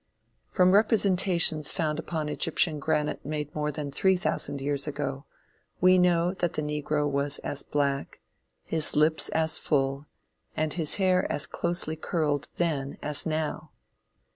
From representations found upon Egyptian granite made more than three thousand years ago, we know that the negro was as black, his lips as full, and his hair as closely curled then as now.